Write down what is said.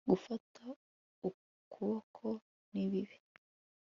gufata ukuboko ni bibi